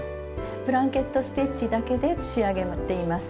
ブランケット・ステッチだけで仕上げています。